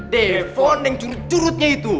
defon yang curut curutnya itu